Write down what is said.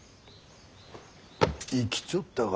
生きちょったか！